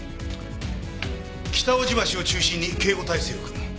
北大路橋を中心に警護態勢を組む。